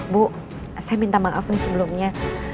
bu saya minta maaf nih sebelumnya